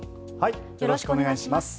よろしくお願いします。